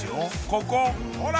ここほら！